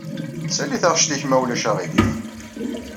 Sali taɣect-ik ma ulac aɣilif.